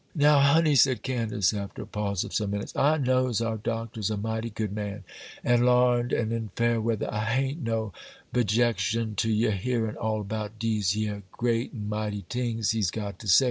'Now, honey,' said Candace, after a pause of some minutes, 'I knows our Doctor's a mighty good man, an' larned,—an' in fair weather I ha'n't no 'bjection to yer hearin' all about dese yer great an' mighty tings he's got to say.